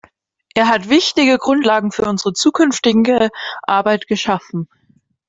Er hat wichtige Grundlagen für unsere zukünftige Arbeit geschaffen.